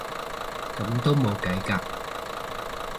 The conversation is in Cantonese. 噉都冇計嘅